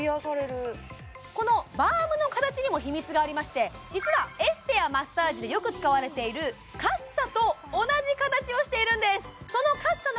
このバームの形にも秘密がありまして実はエステやマッサージでよく使われているカッサと同じ形をしているんです